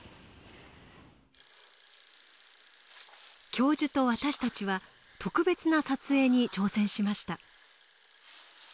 教授と私たちは特別な撮影に挑戦しました。